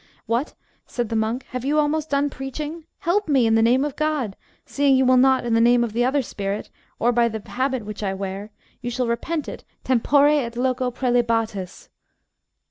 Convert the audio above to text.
What, said the monk, have you almost done preaching? Help me, in the name of God, seeing you will not in the name of the other spirit, or, by the habit which I wear, you shall repent it, tempore et loco praelibatis.